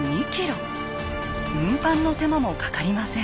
運搬の手間もかかりません。